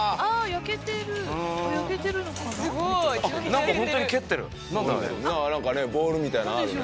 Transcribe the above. なんかねボールみたいなのあるね。